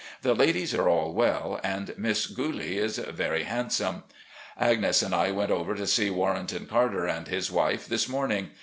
The ladies are all well, and Miss Gtilie is very handsome. Agnes and I went over to see Warrenton Carter and his wife this morning.